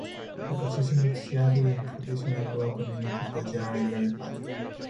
The position of dziady in traditional rural communities was generally very high.